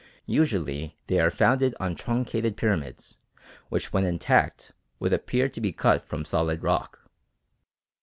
Usually they are founded on truncated pyramids which when intact would appear to be cut from solid rock.